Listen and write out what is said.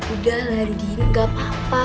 udah lah rugi gapapa